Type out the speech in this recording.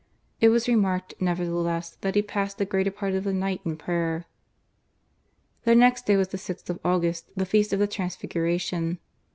It was remarked, nevertheless, that he passed the greater part of the night in pmjer. The next day was the 6th of August, the feast of the Transliguration.